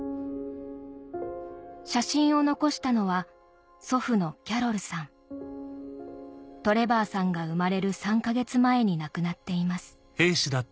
写真を残したのはトレバーさんが生まれる３か月前に亡くなっています